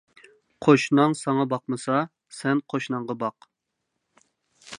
قوشناڭ ساڭا باقمىسا، سەن قوشناڭغا باق.